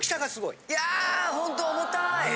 いやホント重たい。